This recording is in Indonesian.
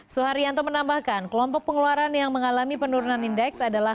suharyanto menambahkan kelompok pengeluaran yang mengalami penurunan indeks adalah